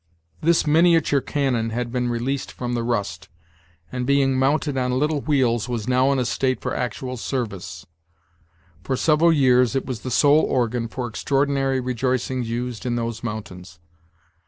This miniature cannon had been released from the rust, and being mounted on little wheels was now in a state for actual service. For several years it was the sole organ for extraordinary rejoicings used in those mountains.